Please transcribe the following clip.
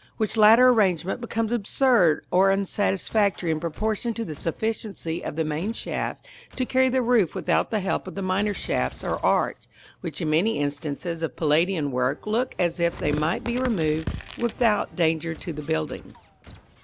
Which latter arrangement becomes absurd or unsatisfactory in proportion to the sufficiency of the main shaft to carry the roof without the help of the minor shafts or arch, which in many instances of Palladian work look as if they might be removed without danger to the building.